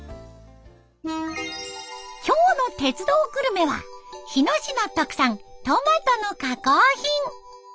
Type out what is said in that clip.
今日の「鉄道グルメ」は日野市の特産トマトの加工品。